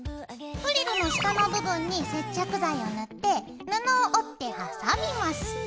フリルの下の部分に接着剤を塗って布を折って挟みます。